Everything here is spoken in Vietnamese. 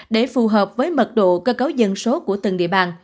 để phù hợp với mật độ cơ cấu dân số của từng địa bàn